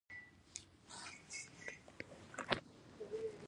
موږ کاربن ډای اکسایډ له بدن وباسو